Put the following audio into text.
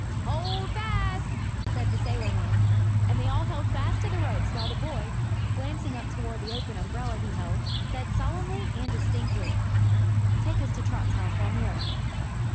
"Hold fast!" said the sailorman, and they all held fast to the ropes while the boy, glancing up toward the open umbrella he held, said solemnly and distinctly: "Take us to Trot's house on the Earth."